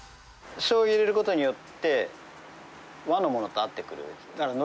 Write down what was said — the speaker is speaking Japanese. しょうゆ入れることによって、和のものと合ってくるんです。